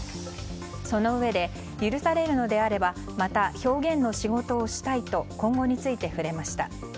そのうえで許されるのであればまた表現の仕事をしたいと今後について触れました。